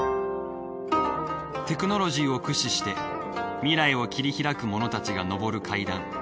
テクノロジーを駆使して未来を切り拓く者たちが昇る階段。